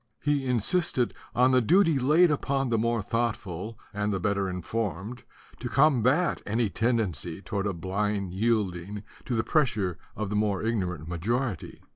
He insisted on the duty laid upon the more thoughtful and the better informed to com bat any tendency toward a blind yielding to the pressure of the more ignorant majority.